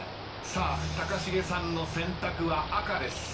さあ高重さんの選択は赤です。